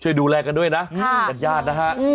ช่วยดูแลกันด้วยนะญาติญาตินะฮะ